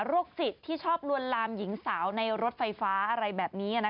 สิทธิ์ที่ชอบลวนลามหญิงสาวในรถไฟฟ้าอะไรแบบนี้